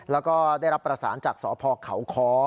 แล้วก็ได้รับประสานจากสพเขาค้อ